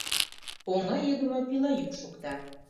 Оҥа йыгыме пила йӱк шокта.